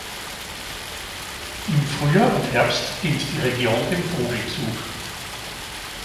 Im Frühjahr und Herbst dient die Region dem Vogelzug.